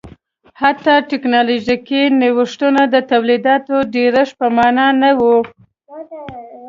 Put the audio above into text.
حتی ټکنالوژیکي نوښتونه د تولیداتو ډېرښت په معنا نه و